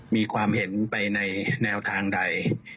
มีความเห็นไปในแนวทางใด